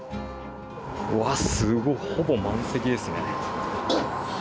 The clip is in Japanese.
うわっ、すごっ、ほぼ満席ですね。